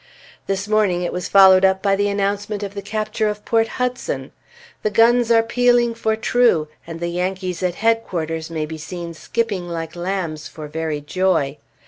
This morning it was followed up by the announcement of the capture of Port Hudson. The guns are pealing for true, and the Yankees at headquarters may be seen skipping like lambs, for very joy.